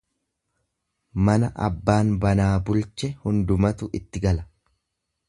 Mana abbaan banaa bulche hundumaatu itti gala.